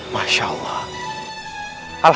masya allah alhamdulillah